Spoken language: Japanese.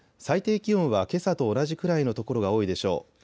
最低気温はけさと同じくらいの所が多いでしょう。